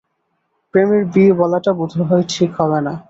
প্রেমের বিয়ে বলাটা বোধহয় ঠিক হবে না।